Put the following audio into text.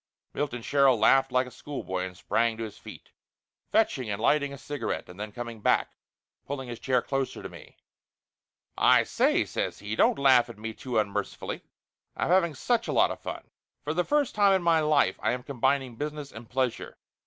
Milton Sherrill laughed like a schoolboy and sprang to his feet, fetching and lighting a cigarette, and then coming back, pulling his chair closer to me. "I say !" says he. "Don't laugh at me too unmerci fully, I'm having such a lot of fun ! For the first time in my life I am combining business and pleasure.